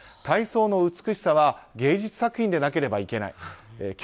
体操の美しさは芸術作品でなければいけない。